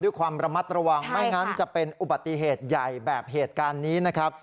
ด้วยความระมัดระวังไม่งั้นจะเป็นอุบัติเหตุใหญ่แบบเหตุการณ์นี้นะครับ